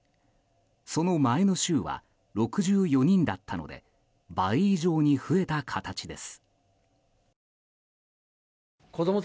その前の週は６４人だったので倍以上に増えた形です。